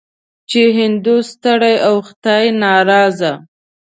چې هندو ستړی او خدای ناراضه.